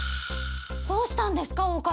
どうしたんですか？